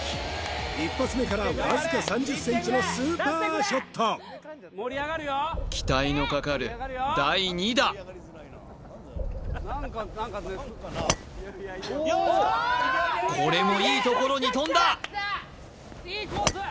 １発目からわずか３０ｃｍのスーパーショット期待のかかる第２打これもいい所に飛んだ！